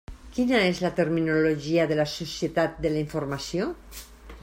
Quina és la terminologia de la societat de la informació?